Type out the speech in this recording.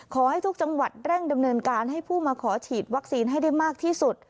ขอให้ทุกจังหวัดเร่งดำเนินการให้ผู้มาขอฉีดวัคซีนให้ได้มากที่สุด